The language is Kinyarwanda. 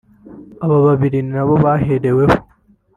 Aba babiri ni nabo bahereweho